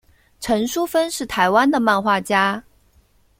陈淑芬是台湾的漫画家。